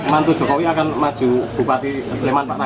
mantu jokowi akan maju bupati sleman pak